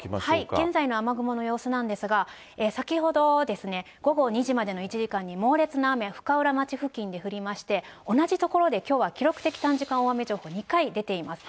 現在の雨雲の様子なんですが、先ほどですね、午後２時までの１時間に猛烈な雨、深浦町付近で降りまして、同じ所できょうは記録的短時間大雨情報、２回出ています。